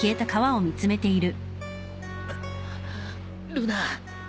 ルナ。